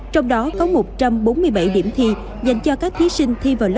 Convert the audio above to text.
trong đó có một trăm bốn mươi bảy điểm thi dành cho các thí sinh thi mạng